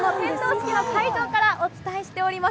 その会場からお伝えしております。